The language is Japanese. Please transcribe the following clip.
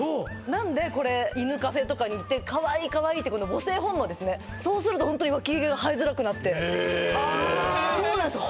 なんでこれ犬カフェとかに行ってかわいいかわいいってこの母性本能ですねそうするとホントにはあそうなんですよ